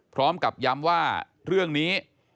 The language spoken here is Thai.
พร้อมกับย้ำว่าเรื่องนี้